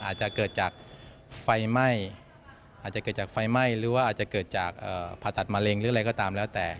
อาจจะเกิดจากไฟไหม้หรือว่าอาจจะเกิดจากผ่าตัดมะเร็งหรืออะไรก็ตามแล้วแต่